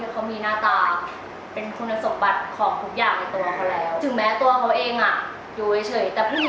แฟนก็แบบ